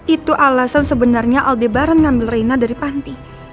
itu alasan sebenarnya adeb barna ngambil reina dari panti